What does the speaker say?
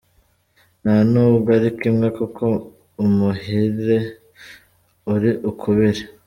Nta n’ubwo ari kimwe kuko umuhire uri ukubiri.